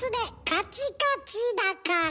カチカチだから？